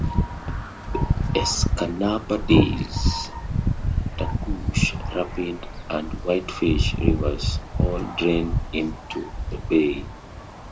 The Escanaba, Days, Tacoosh, Rapid, and Whitefish rivers all drain into the bay.